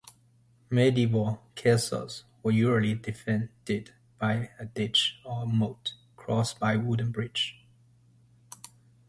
Medieval castles were usually defended by a ditch or moat, crossed by wooden bridge.